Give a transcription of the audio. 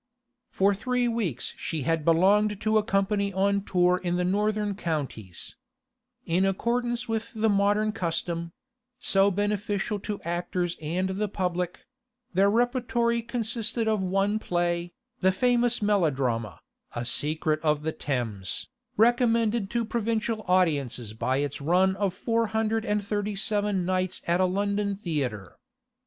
For three weeks she had belonged to a company on tour in the northern counties. In accordance with the modern custom—so beneficial to actors and the public—their repertory consisted of one play, the famous melodrama, 'A Secret of the Thames,' recommended to provincial audiences by its run of four hundred and thirty seven nights at a London theatre.